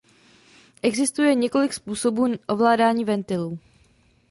Existuje několik způsobů ovládání ventilů.